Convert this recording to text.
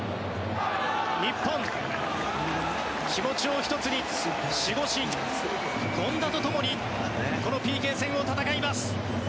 日本、気持ちを１つに守護神・権田と共にこのＰＫ戦を戦います。